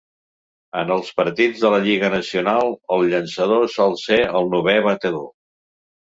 En els partits de la Lliga Nacional el llançador sol ser el novè batedor.